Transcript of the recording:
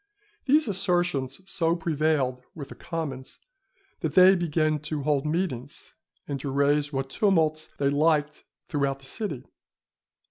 These assertions so prevailed with the commons that they began to hold meetings and to raise what tumults they liked throughout the city.